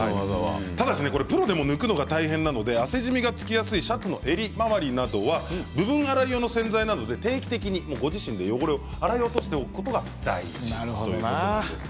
ただしプロでも抜くのが大変なので汗じみがつきやすい襟周りなどは部分洗い用の洗剤などで定期的にご自身で洗い落としておくのが大事だということです。